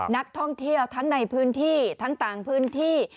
นักท่องเที่ยวทั้งในพื้นที่ทั้งต่างพื้นที่